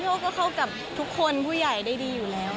เขาก็เข้ากับทุกคนผู้ใหญ่ได้ดีอยู่แล้ว